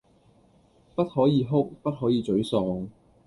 不可以哭，不可以沮喪